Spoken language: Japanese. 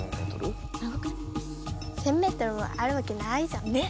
１，０００メートルもあるわけないじゃん！ね！